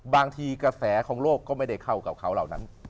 บางทีกระแสของโลกก็ไม่ได้เข้ากับเขาเหล่านั้น